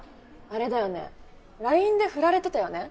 あれだよね「ＬＩＮＥ」でフラれてたよね？